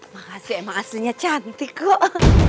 makasih emang aslinya cantik kok